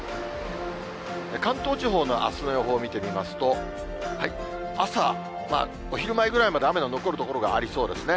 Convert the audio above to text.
関東地方のあすの予報見てみますと、朝、お昼前ぐらいまで雨の残る所がありそうですね。